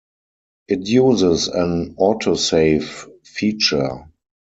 It uses an autosave feature.